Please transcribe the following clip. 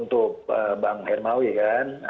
untuk bang hermawi kan